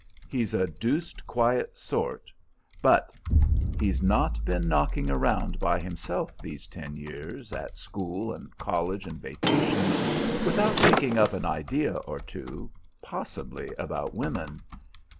He's a deuced quiet sort, but he's not been knocking around by himself these ten years, at school and college and vacations, without picking up an idea or two possibly about women.